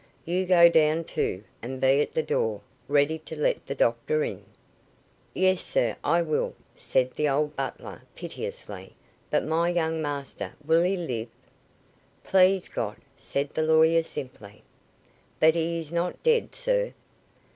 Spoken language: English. "You go down, too, and be at the door, ready to let the doctor in." "Yes, sir, I will," said the old butler, piteously; "but my young master will he live?" "Please God!" said the lawyer simply. "But he is not dead, sir?"